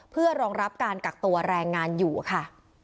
เพื่อรองรับการกักตัวแรงงานอยู่ค่ะ